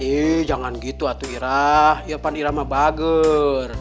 ih jangan gitu atuh irah iya pan irah mah bager